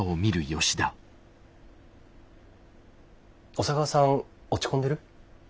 小佐川さん落ち込んでる？